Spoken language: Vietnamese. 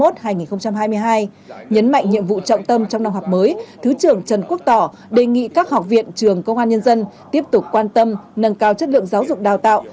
nhấn mạnh nhiệm vụ trọng tâm trong năm học mới thứ trưởng trần quốc tỏ đề nghị các học viện trường công an nhân dân tiếp tục quan tâm nâng cao chất lượng giáo dục đào tạo